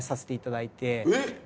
えっ！